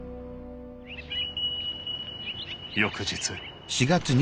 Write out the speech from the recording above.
翌日。